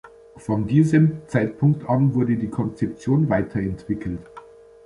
Von diesem Zeitpunkt an wurde die Konzeption weiterentwickelt.